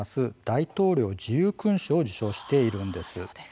大統領自由勲章を受章しているんです。